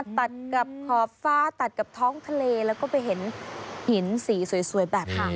ตัดกับขอบฟ้าตัดกับท้องทะเลแล้วก็ไปเห็นหินสีสวยแบบนี้